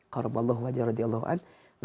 qarumallahu wajar radiallahu anhu